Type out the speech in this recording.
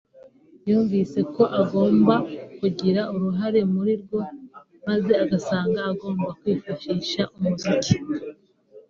yumvise ko agomba kugira uruhare muri rwo maze asanga agomba kwifashisha umuziki